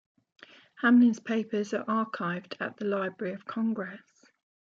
Hamlin's papers are archived at the Library of Congress.